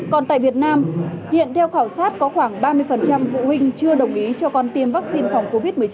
còn tại việt nam hiện theo khảo sát có khoảng ba mươi phụ huynh chưa đồng ý cho con tiêm vaccine phòng covid một mươi chín